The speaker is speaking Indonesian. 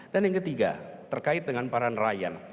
dan yang ketiga terkait dengan para nelayan